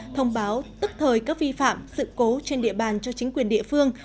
thông báo tức thời các vi phạm sự cố trên địa bàn cho chính quyền địa phương